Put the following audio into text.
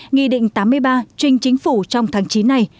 nghị định tám mươi ba trình chính phủ trong tháng chín này